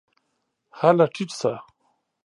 هله ټیټ شه !